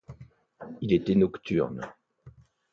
Il était nocturne.